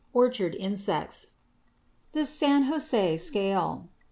ORCHARD INSECTS =The San Jose Scale.